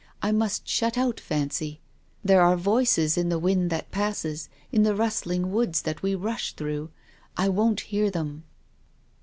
I must shut out fancy. There are voices in the wind that passes, in the rustling woods that we rush through. I won't hear them."